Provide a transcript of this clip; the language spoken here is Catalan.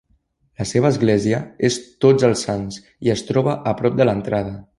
La seva església és Tots els Sants i es troba a prop de l'entrada.